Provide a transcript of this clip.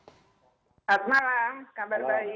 selamat malam kabar baik